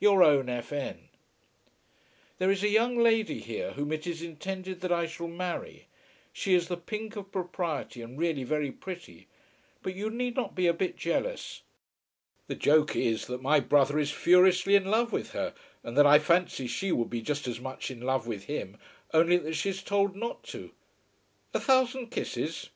Your own F. N. There is a young lady here whom it is intended that I shall marry. She is the pink of propriety and really very pretty; but you need not be a bit jealous. The joke is that my brother is furiously in love with her, and that I fancy she would be just as much in love with him only that she's told not to. A thousand kisses.